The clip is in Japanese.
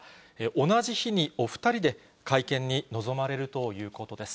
同じ日にお２人で会見に臨まれるということです。